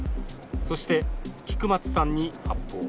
そして、菊松さんに発砲。